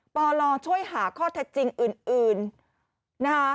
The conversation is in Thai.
ปลอลลองช่วยหาข้อแทดจริงอื่น